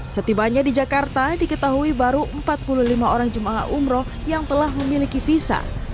setibanya di jakarta diketahui baru empat puluh lima orang jemaah umroh yang telah memiliki visa